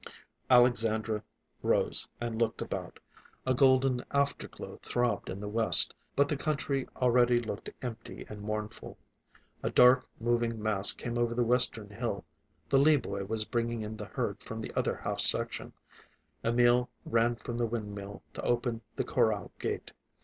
Alexandra rose and looked about. A golden afterglow throbbed in the west, but the country already looked empty and mournful. A dark moving mass came over the western hill, the Lee boy was bringing in the herd from the other half section. Emil ran from the windmill to open the corral gate.